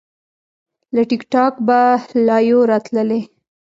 له ټیک ټاک به لایو راتللی